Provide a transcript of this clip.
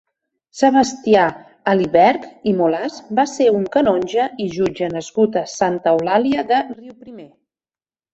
Sebastià Aliberch i Molas va ser un canonge i jutge nascut a Santa Eulàlia de Riuprimer.